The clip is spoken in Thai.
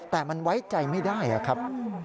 แต่มันไว้ใจไม่ได้ครับ